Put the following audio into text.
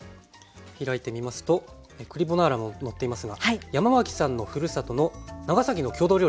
開いてみますと栗ボナーラも載っていますが山脇さんのふるさとの長崎の郷土料理